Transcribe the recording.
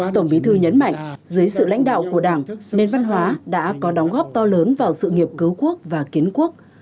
tổng bí thư nhấn mạnh dưới sự lãnh đạo của đảng nền văn hóa đã có đóng góp to lớn vào sự nghiệp cứu quốc và kiến quốc